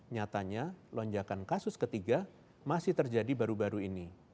nyatanya lonjakan kasus ketiga masih terjadi baru baru ini